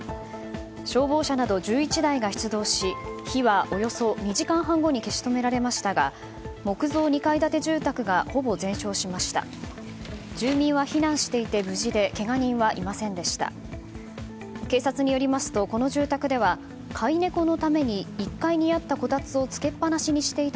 消防車など１１台が出動し火はおよそ２時間半後に消し止められましたが木造２階建て住宅がほぼ全焼しました。